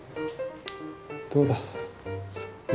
どうだ？